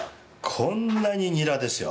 こんなにニラですよ。